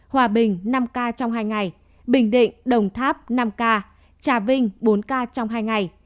hòa bình năm ca trong hai ngày bình định đồng tháp năm ca trà vinh bốn ca trong hai ngày